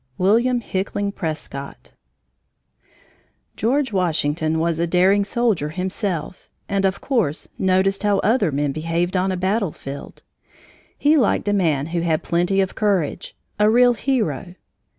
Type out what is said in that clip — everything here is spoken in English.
WILLIAM HICKLING PRESCOTT George Washington was a daring soldier himself and of course noticed how other men behaved on a battlefield. He liked a man who had plenty of courage a real hero.